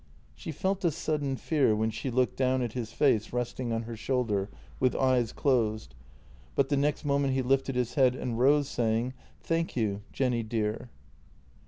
She felt a sudden fear when she looked down at his face resting on her shoulder, with eyes closed, but the next moment he lifted his head and rose, saying: " Thank you, Jenny dear."